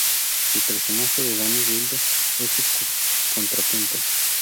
El personaje de Danny Wilde es su contrapunto.